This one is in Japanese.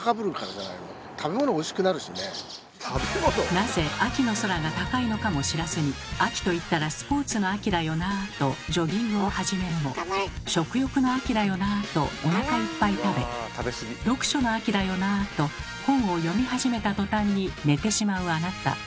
なぜ秋の空が高いのかも知らずに秋といったらスポーツの秋だよなとジョギングを始めるも食欲の秋だよなとおなかいっぱい食べ読書の秋だよなと本を読み始めたとたんに寝てしまうあなた。